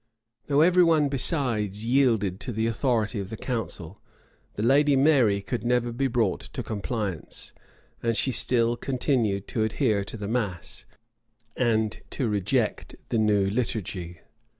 Though every one besides yielded to the authority of the council, the lady Mary could never be brought to compliance; and she still continued to adhere to the mass, and to reject the new liturgy.